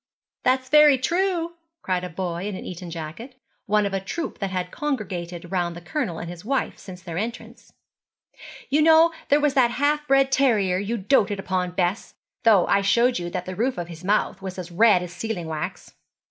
'That's very true,' cried a boy in an Eton jacket, one of a troop that had congregated round the Colonel and his wife since their entrance. 'You know there was that half bred terrier you doted upon, Bess, though I showed you that the roof of his mouth was as red as sealing wax.'